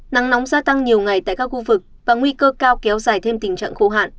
nắng nóng gia tăng nhiều ngày tại các khu vực và nguy cơ cao kéo dài thêm tình trạng khô hạn